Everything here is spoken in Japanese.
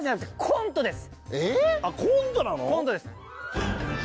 コントです。